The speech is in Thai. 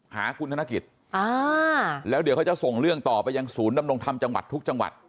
หาคุณธนกิจอ่าแล้วเดี๋ยวเขาจะส่งเรื่องต่อไปยังศูนย์ดำรงธรรมจังหวัดทุกจังหวัด